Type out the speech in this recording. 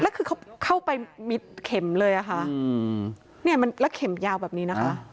แล้วคือเข้าไปมีเข็มเลยแล้วเข็มยาวแบบนี้นะคะ